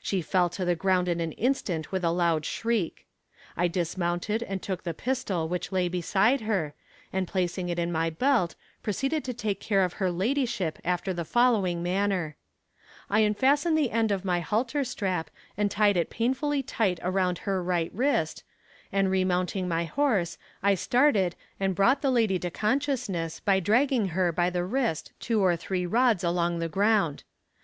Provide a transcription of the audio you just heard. She fell to the ground in an instant with a loud shriek. I dismounted, and took the pistol which lay beside her, and placing it in my belt, proceeded to take care of her ladyship after the following manner: I unfastened the end of my halter strap and tied it painfully tight around her right wrist, and remounting my horse, I started, and brought the lady to consciousness by dragging her by the wrist two or three rods along the ground.